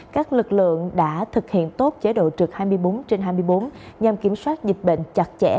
các lực lượng đã thực hiện tốt chế độ trực hai mươi bốn trên hai mươi bốn nhằm kiểm soát dịch bệnh chặt chẽ